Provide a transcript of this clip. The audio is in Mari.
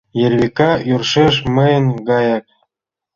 Эрвика йӧршеш мыйын гаяк...